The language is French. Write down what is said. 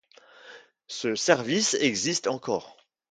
Ce service existe encore.